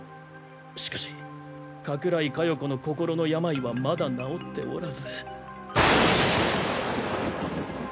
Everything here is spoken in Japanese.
しかし加倉井加代子の心の病はまだ治っておらず。